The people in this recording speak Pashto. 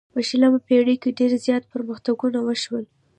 په شلمه پیړۍ کې ډیر زیات پرمختګونه وشول.